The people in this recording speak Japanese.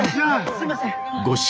すいません。